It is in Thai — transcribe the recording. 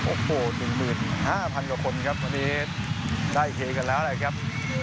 โอ้โหดึงดึน๕๐๐๐บาทกับคนครับอันนี้ได้โอเคกันแล้วแหละครับ